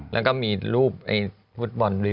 แล้วก็มีรูปฟุตบอลด้วย